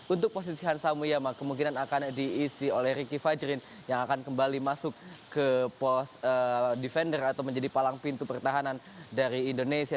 untuk posisi hansa muyama kemungkinan akan diisi oleh ricky fajrin yang akan kembali masuk ke pos defender atau menjadi palang pintu pertahanan dari indonesia